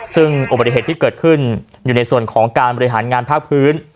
ซึ่งอุบัติเหตุที่เกิดขึ้นอยู่ในส่วนของการบริหารงานภาคพื้น